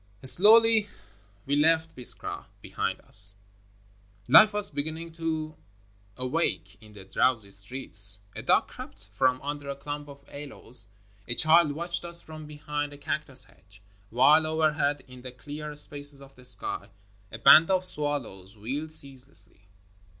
Slowly we left Biskra behind us. Life was beginning to awake in the drowsy streets, — a dog crept from under a clump of aloes, a child watched us from behind a cactus hedge, — while overhead in the clear spaces of the sky a band of swallows wheeled ceaselessly.